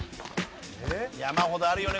山ほどあるよね